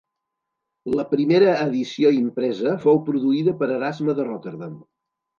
La primera edició impresa fou produïda per Erasme de Rotterdam.